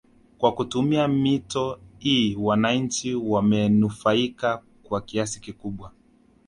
Kwa kutumia mito hii wananchi wamenufaika kwa kiasi kikubwa